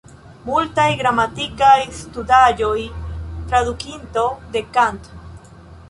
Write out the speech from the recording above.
Multaj gramatikaj studaĵoj, tradukinto de Kant.